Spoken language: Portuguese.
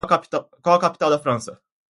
Qual é a capital da França?